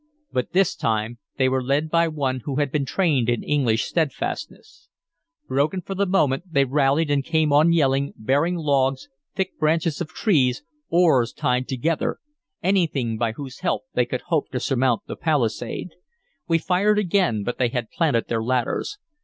But this time they were led by one who had been trained in English steadfastness. Broken for the moment, they rallied and came on yelling, bearing logs, thick branches of trees, oars tied together, anything by whose help they could hope to surmount the palisade. We fired again, but they had planted their ladders.